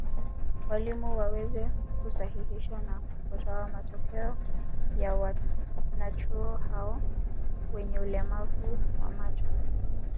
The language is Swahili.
Walimu waweze kusahihisha na kutoa matokeo ya wanachuo hao wenye ulemavu wa macho